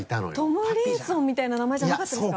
トムリンソンみたいな名前じゃなかったですか？